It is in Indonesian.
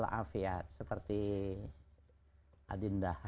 alhamdulillah seperti adinda